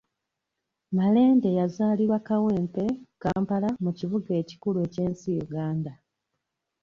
Malende yazaalibwa Kawempe, Kampala, mu kibuga ekikulu eky'ensi Uganda